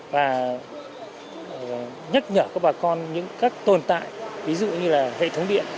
và nhắc nhở các bà con những các tồn tại ví dụ như là hệ thống điện